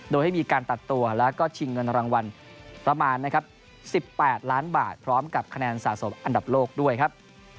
โดยให้มีการตัดตัวแล้วก็ชิงเงินรางวัลประมาณนะครับ๑๘ล้านบาทพร้อมกับคะแนนสะสมอันดับโลกด้วยครับ